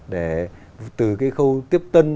để từ khâu tiếp tân